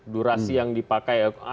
durasi yang dipakai